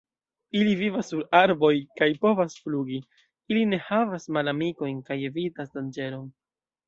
Ili vivas sur arboj kaj povas flugi, ili ne havas malamikojn kaj evitas danĝeron.